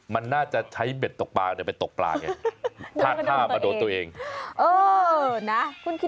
ไม่แน่ใจว่าไปเล่นสนยังไง